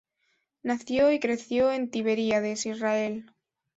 Nació y creció en Tiberíades, Israel.